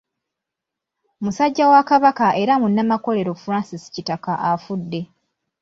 Musajja wa Kabaka era munnamakolero Francis Kitaka afudde.